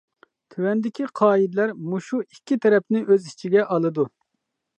تۆۋەندىكى قائىدىلەر مۇشۇ ئىككى تەرەپنى ئۆز ئىچىگە ئالىدۇ.